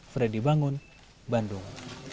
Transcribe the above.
fredy bangun bandung